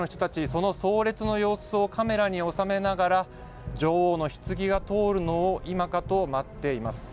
その葬列の様子をカメラに収めながら女王のひつぎが通るのを今かと、待っています。